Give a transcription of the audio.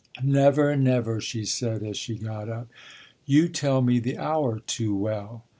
"Never never!" she said as she got up. "You tell me the hour too well."